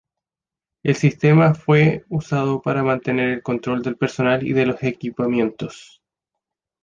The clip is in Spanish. El sistema fue usado para mantener el control del personal y de los equipamientos.